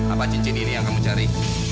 apa cincin ini yang kamu cari